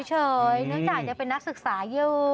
เนื้อใหญ่จะเป็นนักศึกษาอยู่